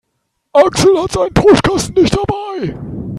Axel hat seinen Tuschkasten nicht dabei.